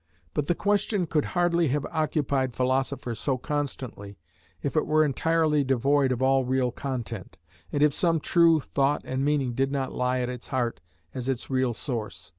But the question could hardly have occupied philosophers so constantly if it were entirely devoid of all real content, and if some true thought and meaning did not lie at its heart as its real source.